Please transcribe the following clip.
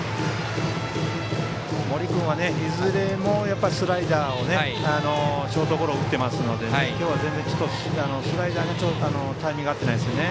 森君は、いずれもスライダーをショートゴロ打っていますので今日はスライダーにタイミングが合ってないですね。